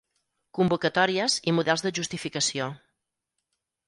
Convocatòries i models de justificació.